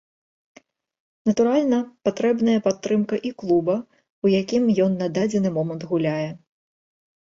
Натуральна, патрэбная падтрымка і клуба, у якім ён на дадзены момант гуляе.